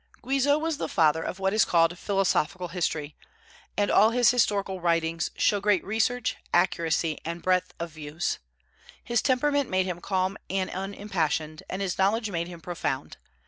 Guizot was the father of what is called philosophical history, and all his historical writings show great research, accuracy, and breadth of views. His temperament made him calm and unimpassioned, and his knowledge made him profound.